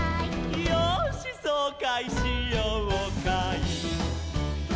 「よーしそうかいしようかい」